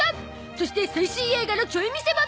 そして最新映画のちょい見せも